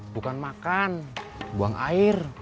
bukan makan buang air